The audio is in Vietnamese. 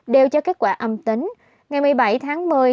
đều cho kết quả âm tính